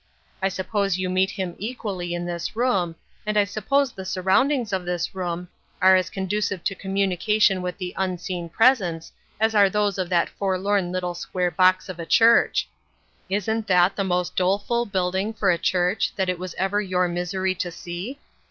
I suppose you meet him equally in this room, and I suppose the surroundings of this room are as conducive to ' TJie^e Be Thy Godsr 401 oommunion with the UnseeD Presence as are those of that forlorn little square box of a church Isn't that the most doleful building for a church that it was ever your misery to see?